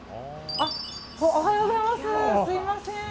おはようございます。